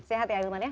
sehat ya hilman ya